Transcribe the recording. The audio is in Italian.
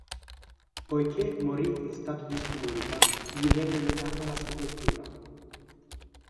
Poiché morì in stato di scomunica gli venne negata la sepoltura.